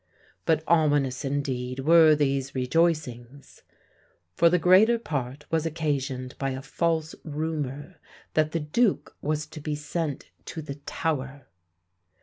But ominous indeed were these rejoicings; for the greater part was occasioned by a false rumour that the duke was to be sent to the Tower.